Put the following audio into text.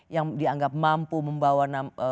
yang dianggap mampu membawa